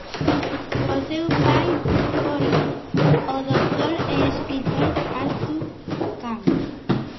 Su padre fue el doctor y escritor Arthur Kahn.